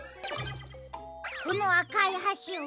このあかいはしは。